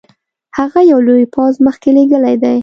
هغه یو لوی پوځ مخکي لېږلی دی.